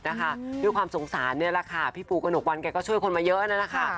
ด้วยความสงสารนี่แหละค่ะพี่ปูกระหนกวันแกก็ช่วยคนมาเยอะนั่นแหละค่ะ